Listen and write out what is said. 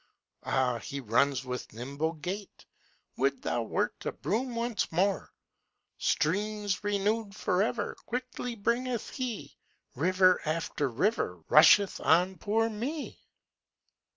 Ah, he runs with nimble gait! Would thou wert a broom once more! Streams renew'd for ever Quickly bringeth he; River after river Rusheth on poor me!